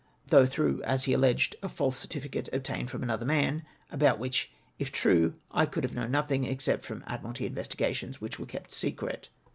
though throuo:h, as he alleo; ed, a false certificate obtained from another man, about which, if true, I could have known nothing except from Admiralty investigations, which were kept secret.